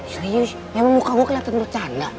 serius memang muka gue kelihatan bercanda